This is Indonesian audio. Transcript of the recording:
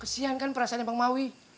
kesian kan perasaan bang maui